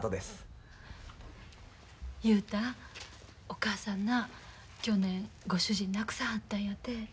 お母さんな去年ご主人亡くさはったんやて。